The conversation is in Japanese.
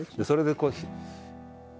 それでこう。